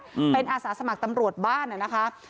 อืมเป็นอาสาสมัครตำรวจบ้านอ่ะนะคะ